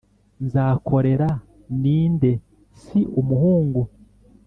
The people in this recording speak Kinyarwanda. nzakorera ni nde Si umuhungu